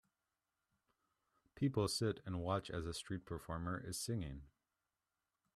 People sit and watch as a street performer is singing.